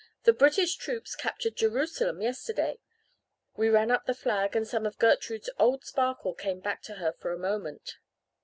The British troops captured Jerusalem yesterday. We ran up the flag and some of Gertrude's old sparkle came back to her for a moment.